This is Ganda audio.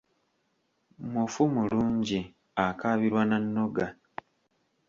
Mufu mulungi, akaabirwa na nnoga.